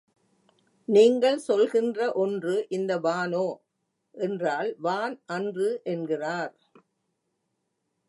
நீங்கள் சொல்கின்ற ஒன்று இந்த வானோ? என்றால் வான் அன்று என்கிறார்.